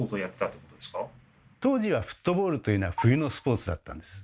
当時はフットボールというのは冬のスポーツだったんです。